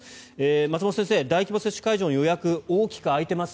松本先生、大規模接種会場の予約大きく空いています。